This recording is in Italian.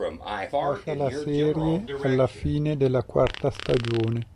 Lascia la serie alla fine della quarta stagione.